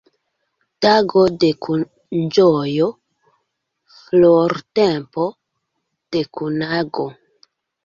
Tago de kunĝojo, flortempo de kunago.